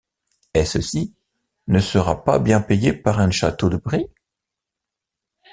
Et cecy, ne sera-ce pas bien payé par ung chasteau de Brie?